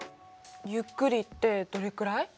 ゆっくりってどれくらい？